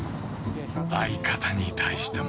相方に対しても。